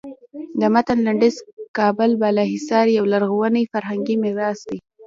د متن لنډیز کابل بالا حصار یو لرغونی فرهنګي میراث دی.